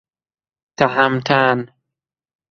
تهمتن